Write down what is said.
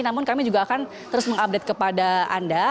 namun kami juga akan terus mengupdate kepada anda